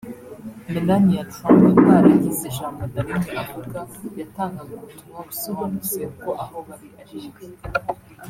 Melania Trump utaragize ijambo na rimwe avuga yatangaga ubutumwa busobanutse ko aho bari ari iwe